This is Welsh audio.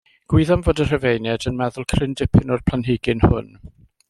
Gwyddom fod y Rhufeiniaid yn meddwl cryn dipyn o'r planhigyn hwn.